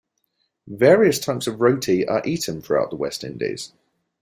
Various types of roti are eaten throughout the West Indies.